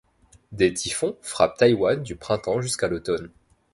Des typhons frappent Taïwan du printemps jusqu'à l’automne.